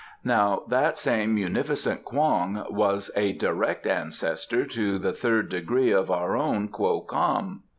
Now that same munificent Kwong was a direct ancestor to the third degree of our own Kwo Kam."